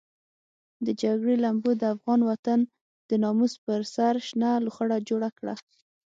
د جګړې لمبو د افغان وطن د ناموس پر سر شنه لوخړه جوړه کړه.